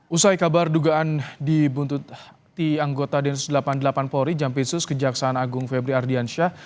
usai kabar dugaan dibuntut di anggota densus delapan puluh delapan polri jampitsus kejaksaan agung febri ardiansyah